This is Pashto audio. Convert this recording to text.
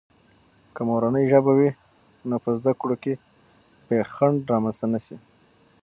که مورنۍ ژبه وي، نو په زده کړو کې بې خنډ رامنځته نه سي.